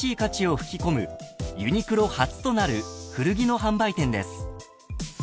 吹き込むユニクロ初となる古着の販売店です］